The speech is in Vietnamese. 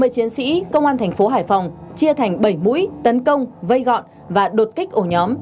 năm mươi chiến sĩ công an tp hải phòng chia thành bảy mũi tấn công vây gọn và đột kích ổ nhóm